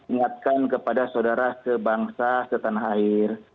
ingatkan kepada saudara sebangsa setan hair